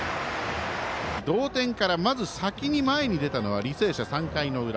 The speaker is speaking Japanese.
同点からまず先に出たのは履正社、３回の裏。